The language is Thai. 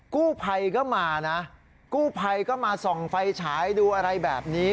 กู้ภัยก็มานะกู้ภัยก็มาส่องไฟฉายดูอะไรแบบนี้